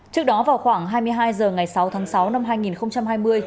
trước đó vào khoảng hai mươi hai h ngày sáu tháng sáu năm hai nghìn hai mươi